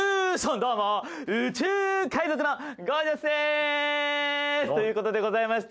どうも宇宙海賊のゴー☆ジャスでーす！という事でございまして。